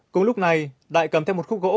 cùng lúc này đại cầm theo một khúc gỗ